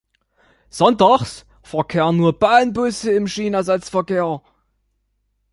Sonntags verkehrten nur Bahnbusse im Schienenersatzverkehr.